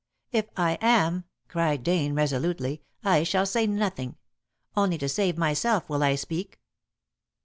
"If I am," cried Dane resolutely, "I shall say nothing. Only to save myself will I speak."